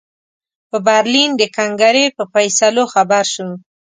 په برلین د کنګرې په فیصلو خبر شو.